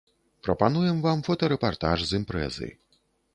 Прапануем вам фотарэпартаж з імпрэзы.